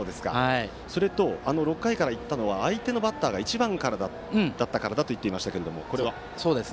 それと６回からいったのは相手のバッターが１番からだったからだと言っていましたが、これは？